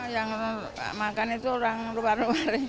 yang makan itu orang luar